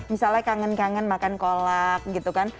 misalnya kangen kangen makan kolak gitu kan